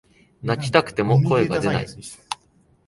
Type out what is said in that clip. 泣きたくても声が出ない